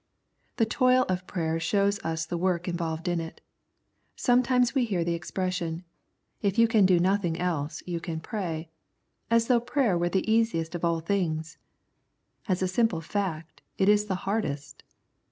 The toil of prayer shows us the work involved in it. Sometimes we hear the expression, " If you can do nothing else, you can pray," as though prayer were the easiest of all things. As a simple fact, it is the hardest.